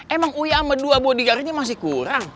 emang uya sama dua bodyguard nya masih kurang